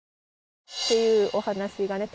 っていうお話がね